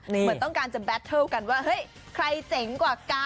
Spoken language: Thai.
เหมือนต้องการจะแบตเทิลกันว่าเฮ้ยใครเจ๋งกว่ากัน